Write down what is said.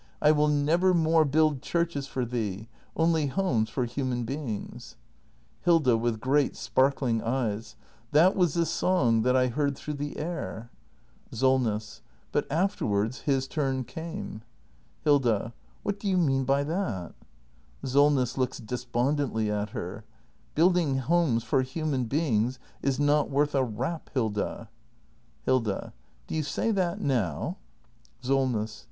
I will never more build churches for thee — only homes for human beings. Hilda. [With great sparkling cijes.] That was the song that I heard through the air! Solness. But afterwards his turn came. Hilda. What do you mean by that? Solness. [Looks despondently at her.] Building homes for human beings — is not worth a rap, Hilda. Hilda. Do you say that now ? 42G THE MASTER BUILDER [act hi SOLNESS.